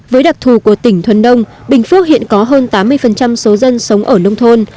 với đặc thù của tỉnh thuần đông bình phước hiện có hơn tám mươi số dân sống ở nông thôn